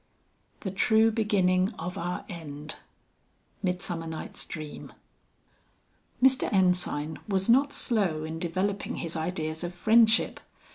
"The true beginning of our end." MIDSUMMER NIGHT'S DREAM. Mr. Ensign was not slow in developing his ideas of friendship.